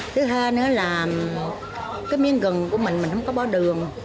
thứ hai nữa là miếng gừng của mình mình không có bỏ đường